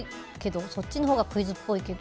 そっちのほうがクイズっぽいけど。